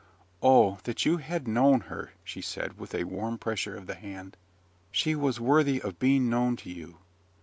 "Oh! that you had known her," she said, with a warm pressure of the hand. "She was worthy of being known to you."